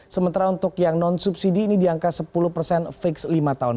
sementara untuk yang non subsidi ini di angka sepuluh persen fix lima tahun